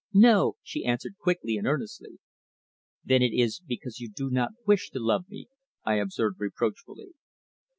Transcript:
"No," she answered, quickly and earnestly. "Then it is because you do not wish me to love you," I observed reproachfully.